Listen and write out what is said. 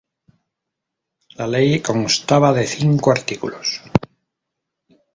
La ley constaba de cinco artículos.